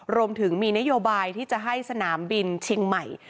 รวมถึงมีนโยบายที่จะให้สนามบินเชียงใหม่